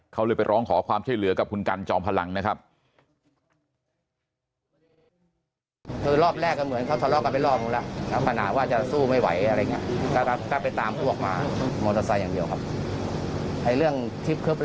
เขาเลยไปร้องขอความช่วยเหลือกับคุณกันจอมพลังนะครับ